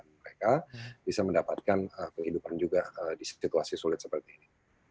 mereka bisa mendapatkan kehidupan juga di situasi sulit seperti ini